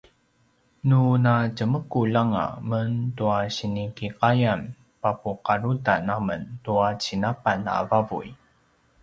nu natjemekulj anga men tua sinikiqayam papuqarutan amen tua cinapan a vavuy